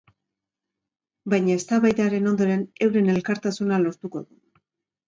Baina, eztabaidaren ondoren, euren elkartasuna lortuko du.